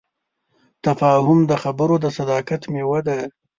تفاهم د خبرو د صداقت میوه ده.